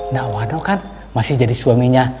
nah waduh kan masih jadi suaminya